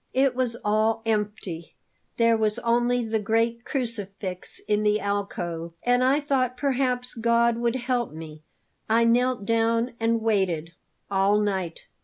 It was all empty; there was only the great crucifix in the alcove. And I thought perhaps God would help me. I knelt down and waited all night.